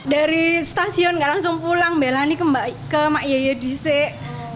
dari stasiun gak langsung pulang belani ke mak yaya di sini